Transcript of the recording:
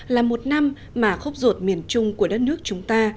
là một năm mà khốc ruột miền trung của đất nước chúng ta